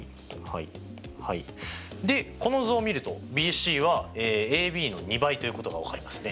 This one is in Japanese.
でこの図を見るとＢＣはＡＢの２倍ということが分かりますね。